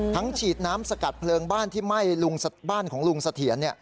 ฉีดน้ำสกัดเพลิงบ้านที่ไหม้บ้านของลุงเสถียร